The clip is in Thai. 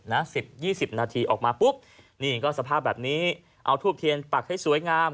สิบยี่สิบนาทีออกมาปุ๊บนี่ก็สภาพแบบนี้เอาทูบเทียนปักให้สวยงาม